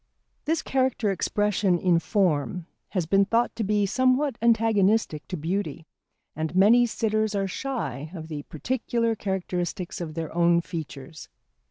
This character expression in form has been thought to be somewhat antagonistic to beauty, and many sitters are shy of the particular characteristics of their own features.